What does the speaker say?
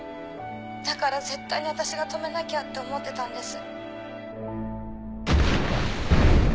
だから絶対に私が止めなきゃって思ってたんです。